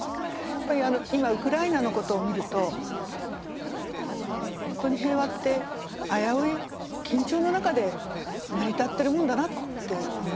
やっぱり今ウクライナの事を見るとホントに平和って危うい緊張の中で成り立っているものだなって思いますよね。